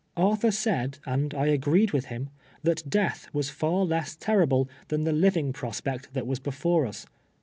Arthur said, and I agreed with him, that death was far less terrible than, the living prosj)ect that was before us.